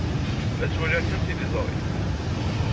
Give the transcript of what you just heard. La ttwaliɣ kan tiliẓri.